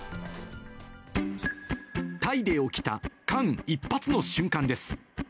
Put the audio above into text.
タイで起きた間一髪の瞬間です。